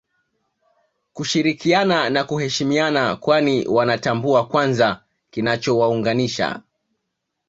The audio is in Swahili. Kushirikiana na kuheshimiana kwani Wanatambua kwanza kinachowaunganisha